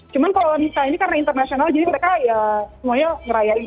cuman kalau misalnya ini karena internasional jadi mereka ya semuanya ngerayain